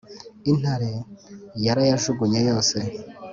intare yarayajugunye yose